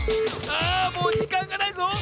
あもうじかんがないぞ！